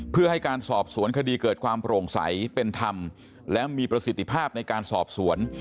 เพื่อให้การสอบสวนคดีเกิดความโปร่งใสเป็นธรรมและมีประสิทธิภาพในการสอบสวน